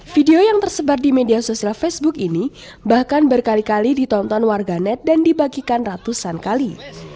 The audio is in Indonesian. video yang tersebar di media sosial facebook ini bahkan berkali kali ditonton warganet dan dibagikan ratusan kali